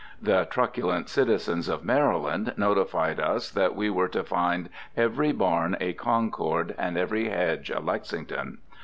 The truculent citizens of Maryland notified us that we were to find every barn a Concord and every hedge a Lexington.